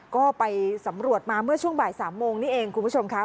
ก็ไปสำรวจมาเมื่อช่วงบ่าย๓โมงนี่เองคุณผู้ชมค่ะ